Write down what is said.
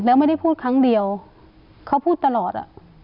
แล้วไม่ได้พูดครั้งเดียวเขาพูดตลอด